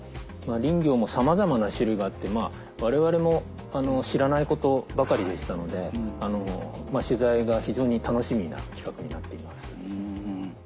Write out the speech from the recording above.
林業もさまざまな種類があって我々も知らないことばかりでしたので取材が非常に楽しみな企画になっています。